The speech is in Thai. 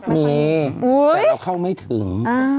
มีแต่เราเข้าไม่ถึง